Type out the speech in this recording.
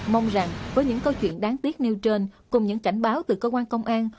mong rằng với những câu chuyện đáng tiếc nêu trên cùng những cảnh báo từ cơ quan công an